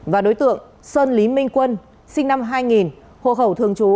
và đối tượng sơn lý minh quân sinh năm hai nghìn hộ khẩu thường trú